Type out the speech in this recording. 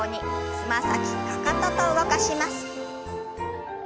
つま先かかとと動かします。